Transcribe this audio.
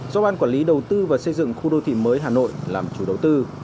do ban quản lý đầu tư và xây dựng khu đô thị mới hà nội làm chủ đầu tư